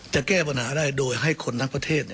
จะแก้ปัญหาได้โดยให้คนทั้งประเทศ